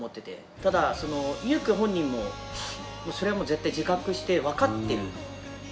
ただ祐くん本人もそれはもう絶対自覚してわかってる事で。